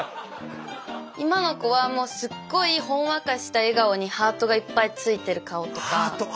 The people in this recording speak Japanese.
今の子はもうすっごいほんわかした笑顔にハートがいっぱいついてる顔とか。